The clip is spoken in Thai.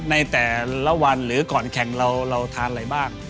ในแต่ละวันหรือก่อนแข่งเราทานอะไรบ้าง